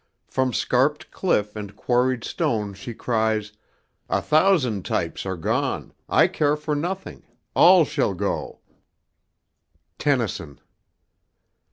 From scarped cliff and quarried stone She cries, "A thousand types are gone: I care for nothing, all shall go." TENNYSON.